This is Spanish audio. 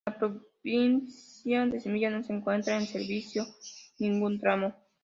En la provincia de Sevilla no se encuentra en servicio ningún tramo.